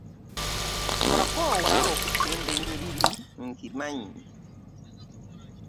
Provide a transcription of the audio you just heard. Wakoowa okusimba ennyiriri nkimanyi.